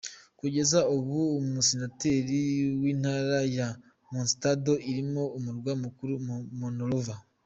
Kugeza ubu ni umusenateri w’Intara ya Montserrado irimo umurwa mukuru Monrovia.